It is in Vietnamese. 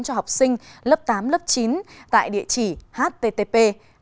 cho học sinh lớp tám lớp chín tại địa chỉ http